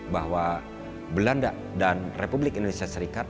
bahwa belanda dan republik indonesia serikat